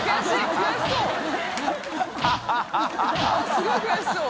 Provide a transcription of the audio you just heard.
すごい悔しそう。